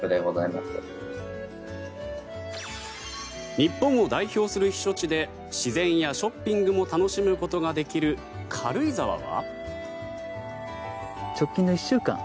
日本を代表する避暑地で自然やショッピングも楽しむことができる軽井沢は。